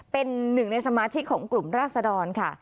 เป็นหนึ่งในสมาชิกของกลุ่มราศดรค่ะ